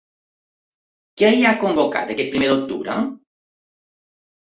Què hi ha convocat aquest primer d’octubre?